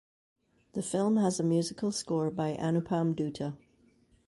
The film has musical score by Anupam Dutta.